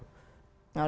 nah udah lebih tua